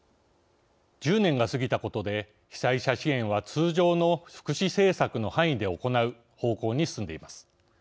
１０年が過ぎたことで被災者支援は通常の福祉政策の範囲で行う方向に進んでいます。